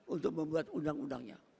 untuk membuat undang undangnya